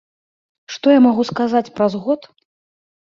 Што я магу сказаць праз год?